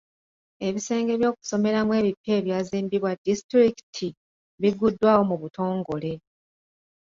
Ebisenge by'okusomeramu ebipya ebyazimbibwa disitulikiti, biguddwawo mu butogole.